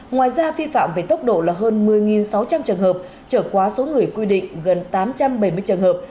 ngoài ra vi phạm về tốc độ là hơn một mươi sáu trăm linh trường hợp trở quá số người quy định gần tám trăm bảy mươi trường hợp